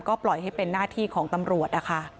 ก็ปล่อยให้เป็นหน้าที่ของตำรวจนะคะ